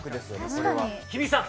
これは日比さん